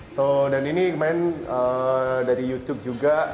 so dan ini kemarin dari youtube juga